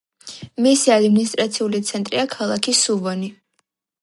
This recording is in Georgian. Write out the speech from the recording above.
მისი ადმინისტრაციული ცენტრია ქალაქი სუვონი.